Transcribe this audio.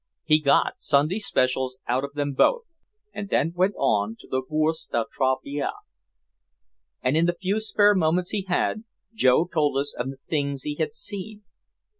He got "Sunday specials" out of them both, and then went on to the Bourse de Travail. And in the few spare moments he had, Joe told us of the things he had seen.